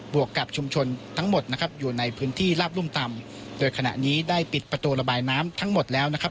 วกกับชุมชนทั้งหมดนะครับอยู่ในพื้นที่ลาบรุ่มต่ำโดยขณะนี้ได้ปิดประตูระบายน้ำทั้งหมดแล้วนะครับ